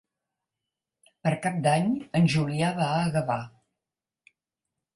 Per Cap d'Any en Julià va a Gavà.